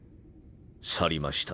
去りました。